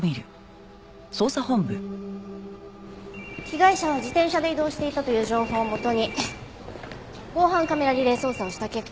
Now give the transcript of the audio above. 被害者は自転車で移動していたという情報をもとに防犯カメラリレー捜査をした結果。